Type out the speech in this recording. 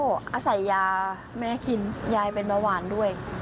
อาศัยยาแม่กินยายเป็นเบาหวานด้วย